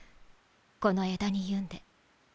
この枝に結んで。